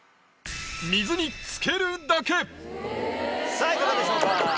さぁいかがでしょうか？